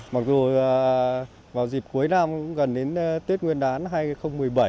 mặc dù vào dịp cuối năm gần đến tết nguyên đán hai nghìn một mươi bảy